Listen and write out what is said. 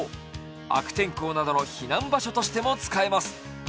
悪天候などの避難場所としても使えます。